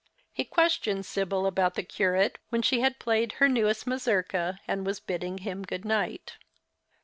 He questioned Sibyl about the curate when she had played her newest mazurka and was bidding him good night.